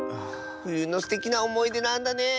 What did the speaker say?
ふゆのすてきなおもいでなんだねえ。